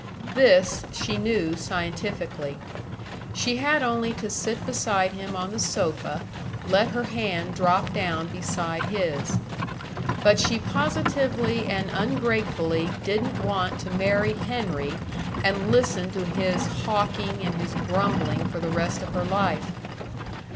This she knew scientifically. She had only to sit beside him on the sofa, let her hand drop down beside his. But she positively and ungratefully didn't want to marry Henry and listen to his hawking and his grumbling for the rest of her life.